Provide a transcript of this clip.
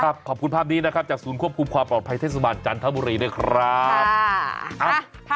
ขอบคุณภาพนี้นะครับจากศูนย์ควบคุมความปลอดภัยเทศบาลจันทบุรีด้วยครับ